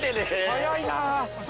◆早いなあ。